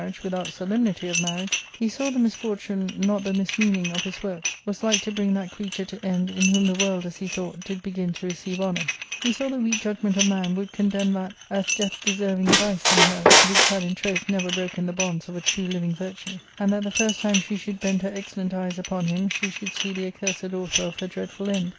—Book IK without Solemnity of marriage, he saw the misfortune, not the mismeaning, of his work was like to bring that creature to end, in whom the world, as he thought, did begin to re ceive honour ; he saw the weak judgment of man would condemm that as death deserving vice in her which had in troth never broken the bonds of a true living virtue, and that the first time she should bend her excellent eyes upon him she should see the accursed author of her dreadful end.